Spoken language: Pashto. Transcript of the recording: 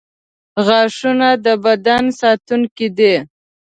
• غاښونه د بدن ساتونکي دي.